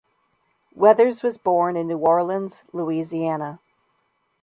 Weathers was born in New Orleans, Louisiana.